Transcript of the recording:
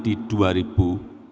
artinya peluangnya besar sekali